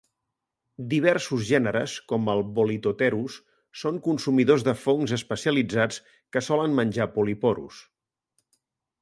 Diversos gèneres, com el "Bolitotherus", són consumidors de fongs especialitzats que solen menjar poliporos.